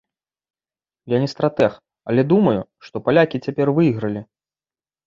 Я не стратэг, але думаю, што палякі цяпер выйгралі.